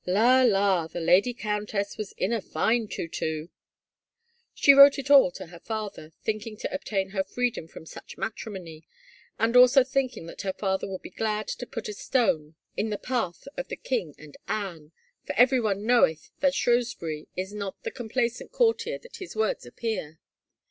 La, la, the lady countess was in a fine to to! She wrote it all to her father, thinking to obtain her freedom from such matrimony, and also think ing that her father would be glad to pdt a stone in the 236 THE MARCHIONESS path of the king and Anne, for everyone knoweth th^t Shrewsbury is not the complaisant courtier that his words appear.